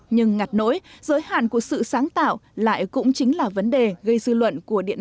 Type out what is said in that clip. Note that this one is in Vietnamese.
nhưng ngặt nỗi giới hạn của sự sáng tạo lại cũng chính là vấn đề gây dư luận